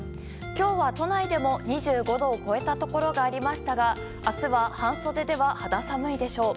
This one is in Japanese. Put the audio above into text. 今日は都内でも２５度を超えたところがありましたが明日は半袖では肌寒いでしょう。